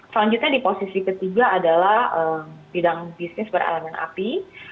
selanjutnya di posisi ketiga adalah bidang bisnis berelemen api